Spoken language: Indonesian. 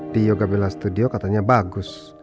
di yoga bela studio katanya bagus